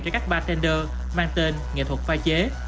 cho các bartender mang tên nghệ thuật phai chế